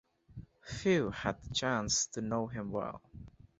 Few had the chance to know him well.